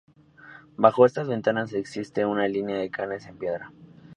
Bajo estas ventanas existe una línea de canes en piedra.